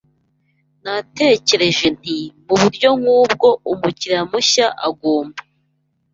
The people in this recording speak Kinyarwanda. Natekereje nti Mu buryo nk'ubwo umukiriya mushya agomba